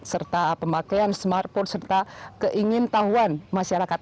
serta pemakaian smartphone serta keingin tahuan masyarakat